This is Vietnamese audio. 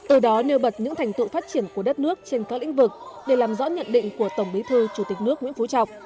ở đó nêu bật những thành tựu phát triển của đất nước trên các lĩnh vực để làm rõ nhận định của tổng bí thư chủ tịch nước nguyễn phú trọng